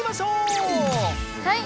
はい！